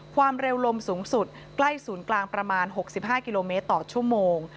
ความเร็วลมสูงสุดใกล้ศูนย์กลางประมาณ๖๕กิโลเมตรต่อชั่วโมง